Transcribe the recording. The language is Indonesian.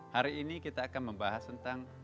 hari ini kita akan membahas tentang